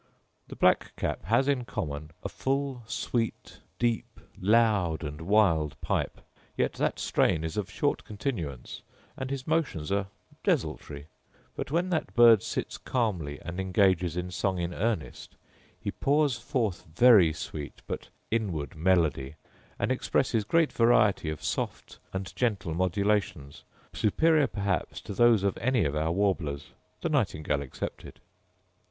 The black cap has in common a full, sweet, deep, loud and wild pipe; yet that strain is of short continuance, and his motions are desultory; but when that bird sits calmly and engages in song in earnest, he pours forth very sweet, but inward melody, and expresses great variety of soft and gentle modulations, superior perhaps to those of any of our warblers, the nightingale excepted.